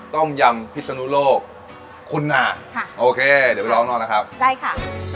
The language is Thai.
ต้มยำพิศนุโลกคุณนาค่ะโอเคเดี๋ยวไปร้องหน่อยนะครับได้ค่ะ